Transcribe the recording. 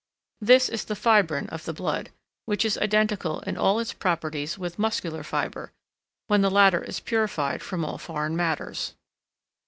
This is the fibrine of the blood, which is identical in all its properties with muscular fibre, when the latter is purified from all foreign matters.